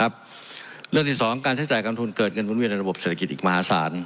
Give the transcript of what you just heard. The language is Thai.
เรื่องที่๒การใช้จ่ายการทุนเกิดเงินหมุนเวียในระบบเศรษฐกิจอีกมหาศาล